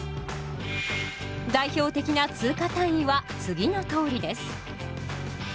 代表的な通貨単位は次のとおりです。